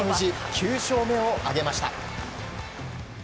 ９勝目を挙げました。